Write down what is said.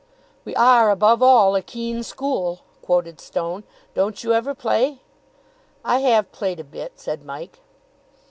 "'We are, above all, a keen school,'" quoted Stone. "Don't you ever play?" "I have played a bit," said Mike.